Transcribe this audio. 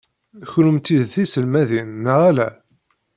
Kennemti d tiselmadin neɣ ala?